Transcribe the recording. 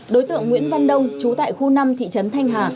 đối tượng nguyễn văn đông chú tại khu năm thị trấn thanh hà